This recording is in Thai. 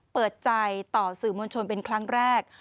เปิดใจต่อสื่อมวลชนเป็นครั้งแรก